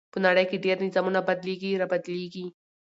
په نړۍ کې ډېر نظامونه بدليږي را بدلېږي .